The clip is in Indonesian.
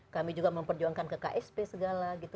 kami juga memperjuangkan ke ksp segala gitu